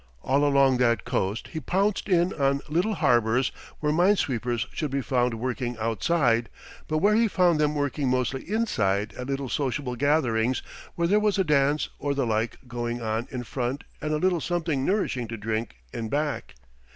All along that coast he pounced in on little harbors where mine sweepers should be found working outside, but where he found them working mostly inside at little sociable gatherings where there was a dance or the like going on in front and a little something nourishing to drink in back.